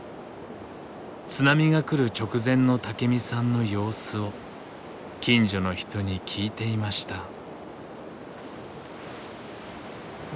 津波が来る直前の武身さんの様子を近所の人に聞いていました。